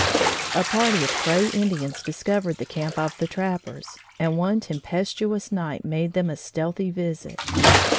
A party of Crow Indians discovered the camp of the trappers and one tempestuous night made them a stealthy visit.